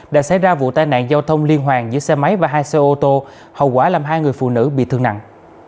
đã xảy ra vụ tai nạn giao thông liên hoàn giữa xe máy và hai xe ô tô hậu quả làm hai người phụ nữ bị thương nặng